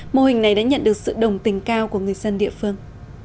mô hình này đã nhận được sự đồng tình cao của người dân địa phương